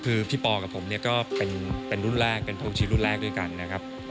คือพี่ปอกับผมเนี่ยก็เป็นรุ่นแรกเป็นพงชีรุ่นแรกด้วยกันนะครับ